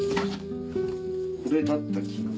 これだった気が。